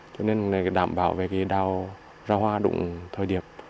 cho nên đảm bảo đào ra hoa đụng thời điểm